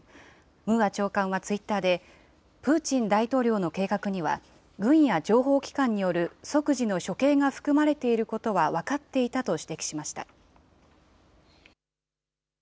ムーア長官はツイッターで、プーチン大統領の計画には軍や情報機関による即時の処刑が含まれていることは分かっていたと指摘しました。